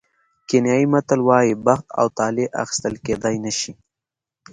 کینیايي متل وایي بخت او طالع اخیستل کېدای نه شي.